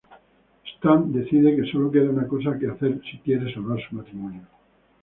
Stan decide que sólo queda una cosa por hacer si quiere salvar su matrimonio.